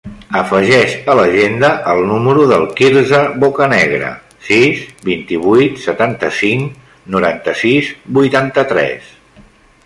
Afegeix a l'agenda el número del Quirze Bocanegra: sis, vint-i-vuit, setanta-cinc, noranta-sis, vuitanta-tres.